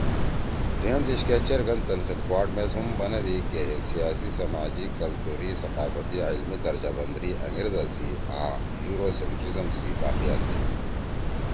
دُھوئم دیِشکے چیرگن تنقید کُواڑ میس ہُم بنَدی کے ہے سیاسی، سماجی، کلتوری، ثقافتی آں علمی درجہ بندی انگریزا سی آں یوروسینٹریزم (Eurocentrism) سی باقیات تھی۔